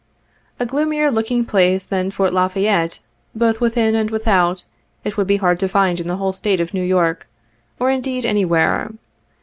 A gloomier looking place than Fort La Fayette, both within and without, it would be hard to find in the whole State of New York, or, indeed, any where.